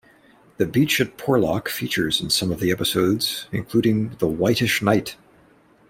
The beach at Porlock features in some of the episodes including The Whitish Knight.